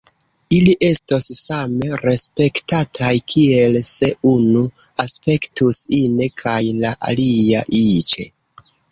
Ili estos same respektataj kiel se unu aspektus ine kaj la alia iĉe.